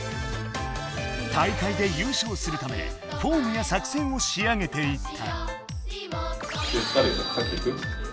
大会でゆうしょうするためフォームや作戦をし上げていった。